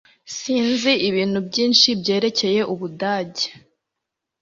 Sinzi ibintu byinshi byerekeye Ubudage.